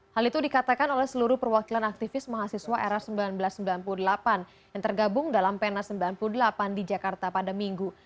hal itu dikatakan oleh seluruh perwakilan aktivis mahasiswa era seribu sembilan ratus sembilan puluh delapan yang tergabung dalam pena sembilan puluh delapan di jakarta pada minggu